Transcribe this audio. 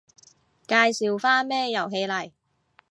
介紹返咩遊戲嚟